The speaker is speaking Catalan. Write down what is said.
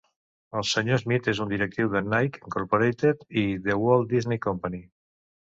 El Sr. Smith és un directiu de Nike, Incorporated i The Walt Disney Company.